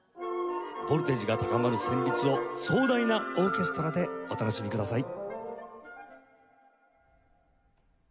ボルテージが高まる旋律を壮大なオーケストラでお楽しみください。